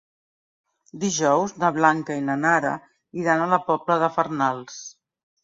Dijous na Blanca i na Nara iran a la Pobla de Farnals.